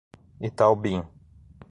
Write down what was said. Itaobim